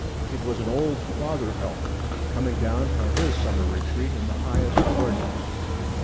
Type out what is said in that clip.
It was an old father elk coming down from his summer retreat in the highest gorges.